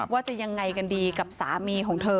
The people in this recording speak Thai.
ว่าจะยังไงกันดีกับสามีของเธอ